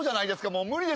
もう無理ですよ。